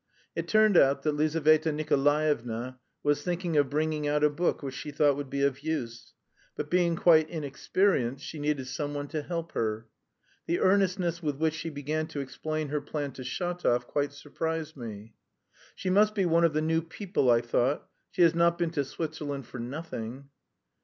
It turned out that Lizaveta Nikolaevna was thinking of bringing out a book which she thought would be of use, but being quite inexperienced she needed someone to help her. The earnestness with which she began to explain her plan to Shatov quite surprised me. "She must be one of the new people," I thought. "She has not been to Switzerland for nothing."